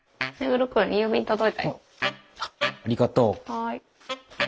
はい。